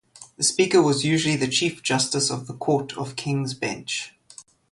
The speaker was usually the Chief Justice of the Court of King's Bench.